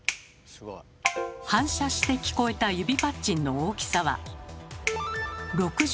反射して聞こえた指パッチンの大きさは６３ｄＢ。